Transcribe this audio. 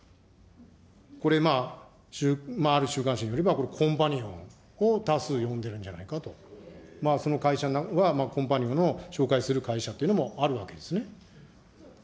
これまあ、ある週刊誌によれば、これ、コンパニオンを多数呼んでるんじゃないかと、その会社はコンパニオンを紹介する会社というのもあるわけですね。